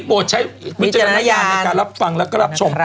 อันนี้โปรดใช้วิจารณญาณในการรับฟังและการรับชม